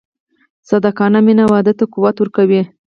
صادقانه مینه واده ته قوت ورکوي.